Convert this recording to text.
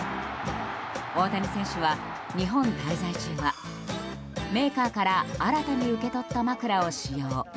大谷選手は日本滞在中はメーカーから新たに受け取った枕を使用。